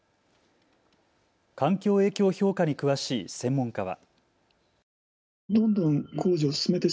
環境影響評価に詳しい専門家は。